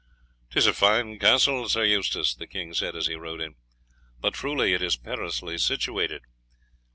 "'Tis a fine castle, Sir Eustace," the king said as he rode in, "but truly it is perilously situated.